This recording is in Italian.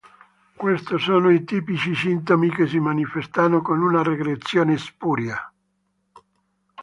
Questi sono i tipici sintomi che si manifestano con una regressione spuria.